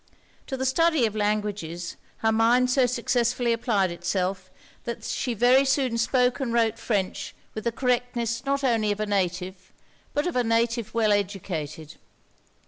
To the study of languages, her mind so successfully applied itself, that she very soon spoke and wrote French with the correctness not only of a native, but of a native well educated.